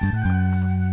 kamu mau ke rumah